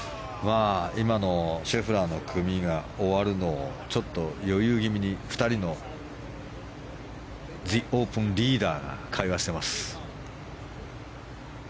今のシェフラーの組が終わるのをちょっと余裕気味に、２人のＴＨＥＯＰＥＮリーダーが会話してます。